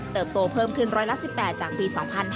เติบโตเพิ่มขึ้น๑๑๘จากปี๒๕๕๘